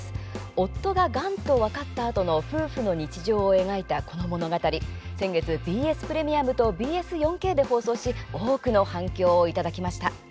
夫が、がんと分かったあとの夫婦の日常を描いたこの物語先月、ＢＳプレミアムとＢＳ４Ｋで放送し多くの反響をいただきました。